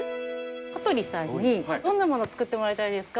香取さんにどんなものを作ってもらいたいですか？